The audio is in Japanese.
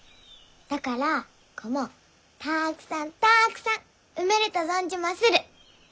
だから子もたくさんたくさん産めると存じまする！